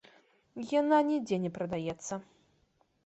Яна нідзе не прадаецца.